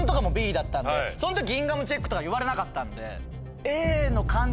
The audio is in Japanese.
そん時にギンガムチェックとか言われなかったんで。